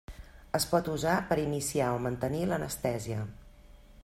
Es pot usar per iniciar o mantenir l'anestèsia.